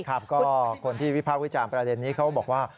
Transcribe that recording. ก็คนที่วิภาควิจารณ์ประเด็นนี้เขาบอกว่า